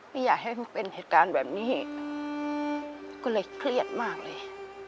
ไม่อยากให้มันเป็นเหตุการณ์แบบนี้อีกก็เลยเครียดมากเลย